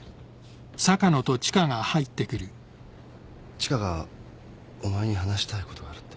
千賀がお前に話したいことがあるって。